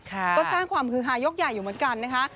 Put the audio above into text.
ก็สร้างความฮือฮายกใหญ่อยู่เหมือนกันนะคะ